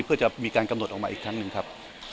เพื่อจะมีการกำหนดออกมาอีกครั้งหนึ่งครับ